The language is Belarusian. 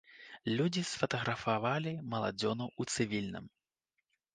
Людзі сфатаграфавалі маладзёнаў у цывільным.